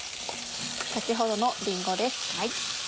先ほどのりんごです。